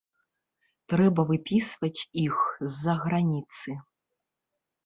Трэба выпісваць іх з-за граніцы.